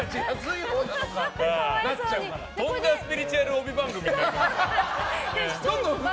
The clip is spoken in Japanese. とんだスピリチュアル帯番組じゃん。